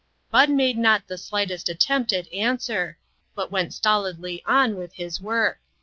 Bud made not the slightest attempt at answer, but went stolidly on with his work.